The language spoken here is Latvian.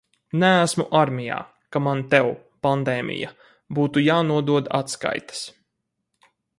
Neesmu armijā, ka man tev, pandēmija, būtu jānodod atskaites.